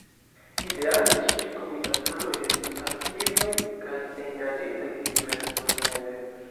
Ideale, ĉiuj komitatanoj estus aktivaj kaj engaĝitaj diversmaniere.